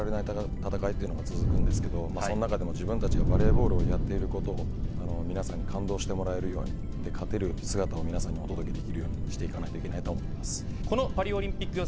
本当に負けられない戦いが続くんですけれども、その中でも自分たちがバレーボールをやっていること皆さんに感動してもらえるように勝てる姿を皆さんにお届けできるようにしていきたいと思います。